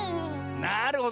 なるほど。